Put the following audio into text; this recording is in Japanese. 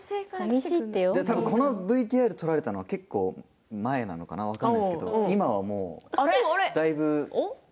このＶＴＲ撮られたのは結構、前なのかが分かりませんけど今はもうだいぶ？